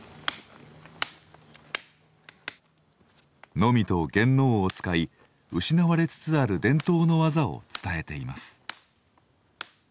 ノミとげんのうを使い失われつつある伝統の技を伝えています。